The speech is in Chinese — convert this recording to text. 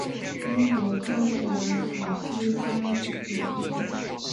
英国科学史期刊主编。